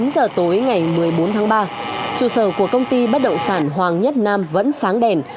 chín giờ tối ngày một mươi bốn tháng ba chủ sở của công ty bất động sản hoàng nhất nam vẫn sáng đèn